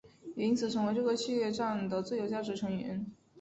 也因此成为这个系列战的最有价值球员。